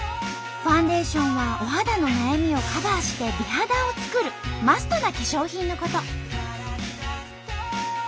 ファンデーションはお肌の悩みをカバーして美肌を作るマストな化粧品のこと。